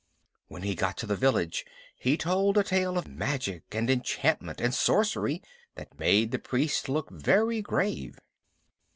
When he got to the village he told a tale of magic and enchantment and sorcery that made the priest look very grave.